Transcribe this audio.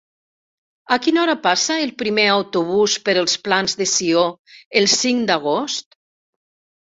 A quina hora passa el primer autobús per els Plans de Sió el cinc d'agost?